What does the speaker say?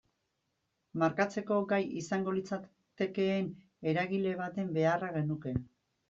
Markatzeko gai izango litzatekeen eragile baten beharra genuke.